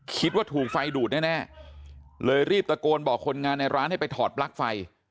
คิดว่าถูกไฟดูดแน่เลยรีบตะโกนบอกคนงานในร้านให้ไปถอดปลั๊กไฟ